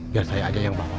biar saya aja yang bawa